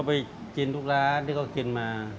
พวยกินทุกร้านเนี่ยก็กินมา